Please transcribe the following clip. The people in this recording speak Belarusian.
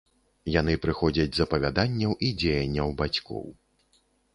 Яны прыходзяць з апавяданняў і дзеянняў бацькоў.